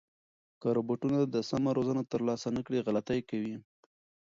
که روبوټونه د سمه روزنه ترلاسه نه کړي، غلطۍ کوي.